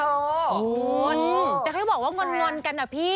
โอ้โฮแต่เคยบอกว่างวนกันอะพี่